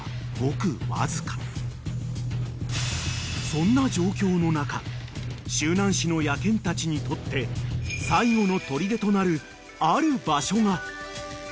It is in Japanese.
［そんな状況の中周南市の野犬たちにとって最後の砦となるある場所が］